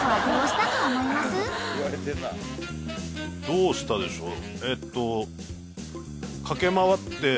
どうしたでしょう。